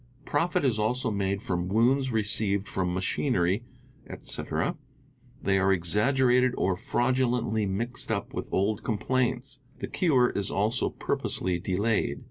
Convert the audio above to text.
Profit is also made from wounds received from 'machinery, etc.; they are exaggerated or fraudulently mixed up with old complaints® : the cure is also purposely delayed.